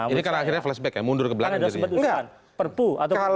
ini karena akhirnya flashback ya mundur ke belakang